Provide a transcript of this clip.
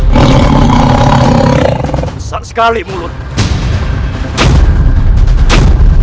besar sekali mulutmu